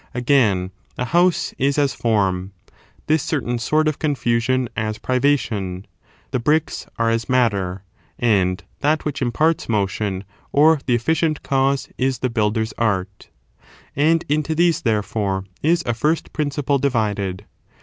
Again^ a house is as form, this certain sort of confusion ^ as priv^Gon ; the Ifricks are as matter, and that which imparts motion, or the efficient cause, is the builder's art. And into these, therefore, is a first principle divided.